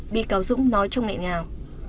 bị cáo dũng nói trong ngại ngào